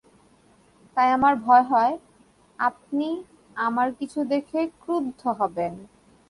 তাই আমার ভয় হয়, আপনি আমার কিছু দেখে ক্রুদ্ধ হবেন।